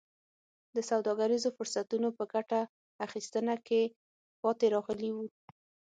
د سوداګریزو فرصتونو په ګټه اخیستنه کې پاتې راغلي وو.